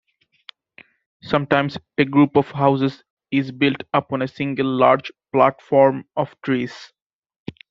Sometimes a group of houses is built upon a single large platform of trees.